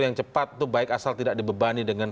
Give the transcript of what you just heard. yang cepat itu baik asal tidak dibebani dengan